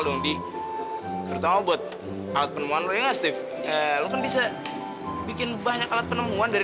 dong di terutama buat alat penemuan lu ya steve ya lu kan bisa bikin banyak alat penemuan dari